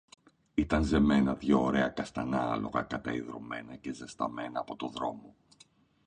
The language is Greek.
Ήταν ζεμένα δυο ωραία καστανά άλογα, καταϊδρωμένα και ζεσταμένα από το δρόμο